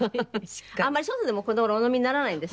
あんまり外でもこの頃お飲みにならないんですって？